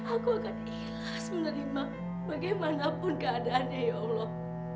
aku akan ikhlas menerima bagaimanapun keadaannya ya allah